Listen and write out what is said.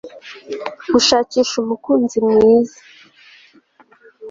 gushakisha umukunzi mwiza